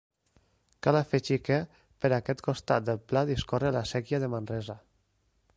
Cal afegir que, per aquest costat del pla discorre la séquia de Manresa.